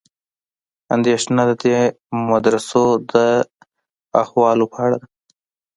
اندېښنه د دې مدرسو د احوالو په اړه ده.